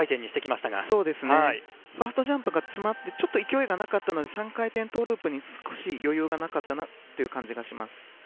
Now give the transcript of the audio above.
ファーストジャンプが詰まって勢いがなかったので３回転トウループに少し余裕がなかったように感じます。